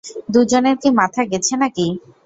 দুজনের কি মাথা গেছে না কি?